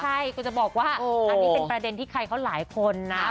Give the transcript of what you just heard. ใช่คุณจะบอกว่าอันนี้เป็นประเด็นที่ใครเขาหลายคนนะ